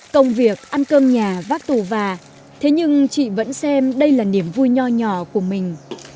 công việc ăn cơm nhà vác tù và thế nhưng chị vẫn xem đây là niềm vui nhỏ nhỏ của mình